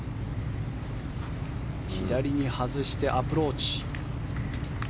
左に外してアプローチ。